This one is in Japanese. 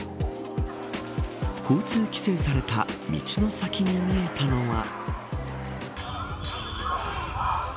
交通規制された道の先で見えたのは。